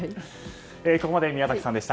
ここまで宮崎さんでした。